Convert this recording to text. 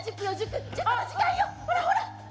ほらほら！